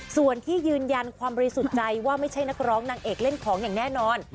ส่วนที่ยืนยันความบริสุทธิ์ใจว่าไม่ใช่นักร้องนางเอกเล่นของอย่างแน่นอน